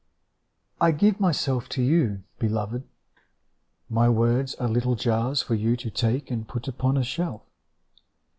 I give myself to you, Beloved! My words are little jars For you to take and put upon a shelf.